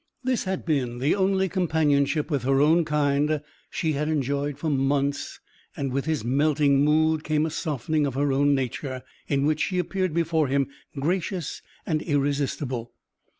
This had been the only companionship with her own kind she had enjoyed for months, and with his melting mood came a softening of her own nature, in which she appeared before him gracious and irresistible.